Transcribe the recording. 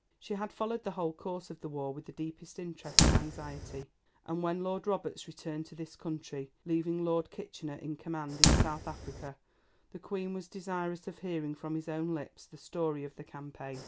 She had followed the whole course of the war with the deepest interest and anxiety, and when Lord Roberts returned to this country, leaving Lord Kitchener in command in South Africa, the Queen was desirous of hearing from his own lips the story of the campaign.